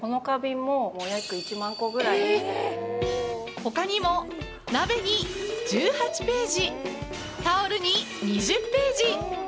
他にも鍋に１８ページ、タオルに２０ページ。